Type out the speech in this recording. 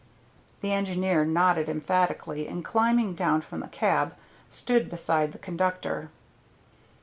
The engineer nodded emphatically, and climbing down from the cab, stood beside the conductor.